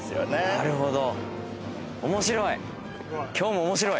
なるほど。